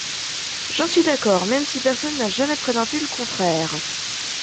J’en suis d’accord, même si personne n’a jamais prétendu le contraire.